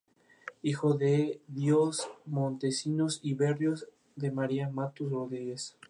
Hijo de Juan de Dios Montecinos Berríos y de María Matus Rodríguez.